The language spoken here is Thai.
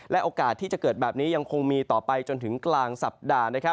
โอกาสที่จะเกิดแบบนี้ยังคงมีต่อไปจนถึงกลางสัปดาห์